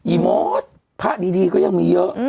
หมดพระดีก็ยังมีเยอะ